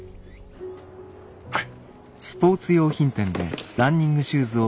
はい。